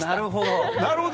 なるほど。